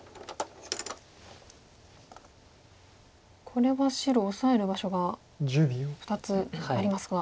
これは白オサえる場所が２つありますが。